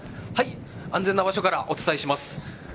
安全な場所からお伝えします。